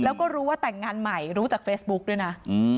แล้วก็รู้ว่าแต่งงานใหม่รู้จากเฟซบุ๊กด้วยนะ